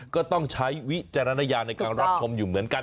ก็ต้องใช้วิจารณญาณในการรับชมอยู่เหมือนกัน